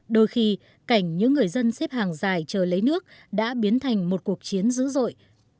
đôi khi cảnh những người dân xếp hàng dài chờ lấy nước đã biến thành một cuộc chiến dữ dội